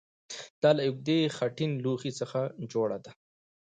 دا له اوږدې خټین لوښي څخه جوړه ده